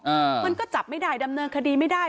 มันก็จับไม่ได้ดำเนินคดีไม่ได้